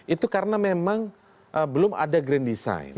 itu karena memang belum ada grand design